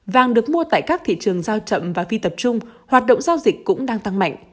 vàng được mua tại các thị trường giao chậm và phi tập trung hoạt động giao dịch cũng đang tăng mạnh